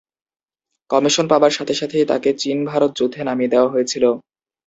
Commission পাবার সাথে সাথেই তাকে চীন-ভারত যুদ্ধে নামিয়ে দেওয়া হয়েছিলো।